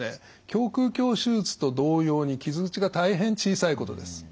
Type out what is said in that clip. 胸腔鏡手術と同様に傷口が大変小さいことです。